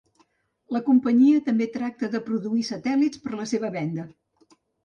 La companyia també tracta de produir satèl·lits per a la seva venda.